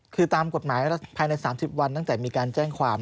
คือตามกฎหมายภายใน๓๐วันตั้งแต่มีการแจ้งความ